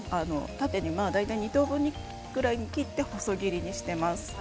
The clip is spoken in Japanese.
縦に大体２等分ぐらいにして細切りにしています。